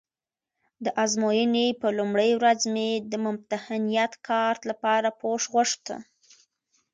د ازموینې په لومړۍ ورځ مې د ممتحنیت کارت لپاره پوښ غوښته.